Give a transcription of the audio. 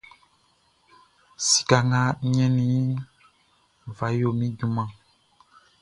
Sika nga n ɲɛnnin iʼn, n fa yoli min junmanʼn.